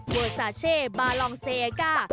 เวอร์ซาเช่บารองเซก้า